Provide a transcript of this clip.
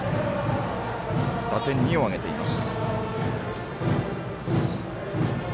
打点２を挙げています。